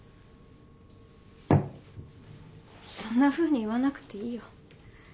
そんなふうに言わなくていいよ。